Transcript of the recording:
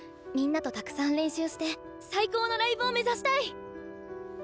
みんなとたくさん練習して最高のライブを目指したい！